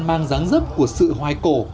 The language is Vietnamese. mang dáng dấp của sự hoài cổ